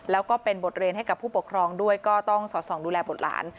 แล้วก็เป็นบทเรียนให้กับผู้ปกครองด้วยก็ต้องสอดส่องดูแลบุตรหลาน